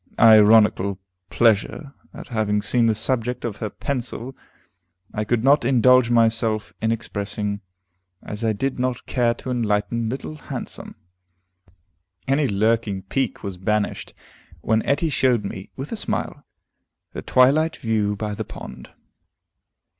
Ironical pleasure at having been the subject of her pencil I could not indulge myself in expressing, as I did not care to enlighten Little Handsome. Any lurking pique was banished when Etty showed me, with a smile, the twilight view by the pond.